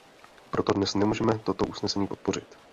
Proto dnes nemůžeme toto usnesení podpořit.